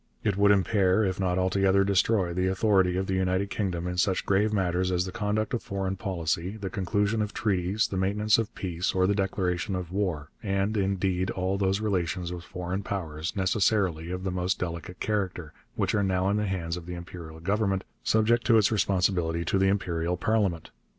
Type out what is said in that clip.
It would impair, if not altogether destroy, the authority of the United Kingdom in such grave matters as the conduct of foreign policy, the conclusion of treaties, the maintenance of peace, or the declaration of war, and, indeed, all those relations with foreign powers, necessarily of the most delicate character, which are now in the hands of the Imperial Government, subject to its responsibility to the Imperial Parliament.